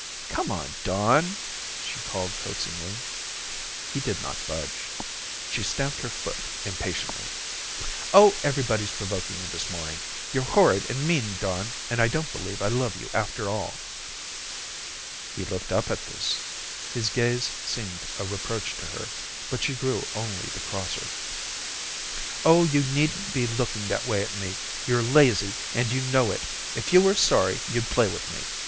"Come on, Don," she called coaxingly. He did not budge. She stamped her foot impatiently. "Oh, everybody's provoking this morning. You're horrid and mean, Don, and I don't believe I love you, after all." He looked up at this. His gaze seemed a reproach to her, but she grew only the crosser. "Oh, you needn't be looking that way at me. You're lazy, and you know it. If you were sorry, you'd play with me.